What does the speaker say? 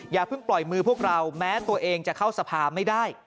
อย่าเพิ่งปล่อยมือพวกเราแม้ตัวเองจะเข้าสภาไม่ได้